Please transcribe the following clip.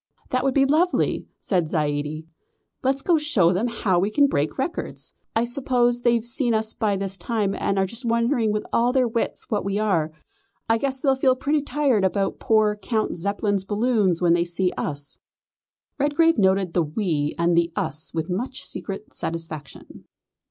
"That would be just too lovely!" said Zaidie. "Let's go and show them how we can break records. I suppose they've seen us by this time and are just wondering with all their wits what we are. I guess they'll feel pretty tired about poor Count Zeppelin's balloon when they see us." Redgrave noted the "we" and the "us" with much secret satisfaction.